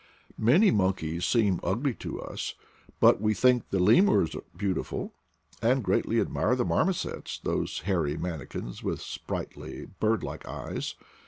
Many monkeys seem ugly to us, but we think the lemurs beautiful, and greatly admire the marmosets, those hairy manikins with spright ly, bird like eyes.